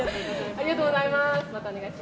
ありがとうございます。